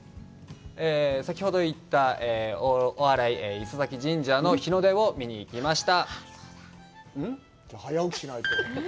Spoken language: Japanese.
先ほど行った、大洗磯崎神社の日の出を見に行きました。